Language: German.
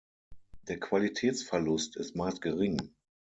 Der Qualitätsverlust ist meist gering.